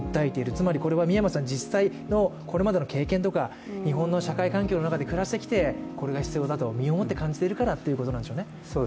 つまりこれは、美山さん、実際のこれまでの経験とか、日本の社会環境の中で暮らしてきてこれが必要だと身をもって感じているからということなんでしょうね。